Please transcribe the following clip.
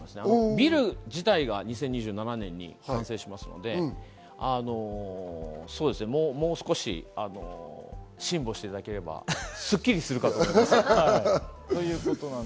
ビル自体が２０２７年に完成しますので、もう少し辛抱していただければ、すっきりするかと思います。